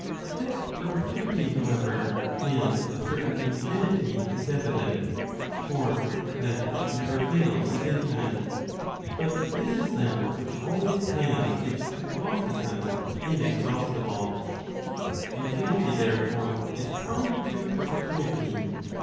That perpetuity however is a certain infinity 1 is evident. For that which never fails is infinite. But this is that which always has its hypostasis in¬ exhaustible. Infinity therefore, is prior to perpetuity.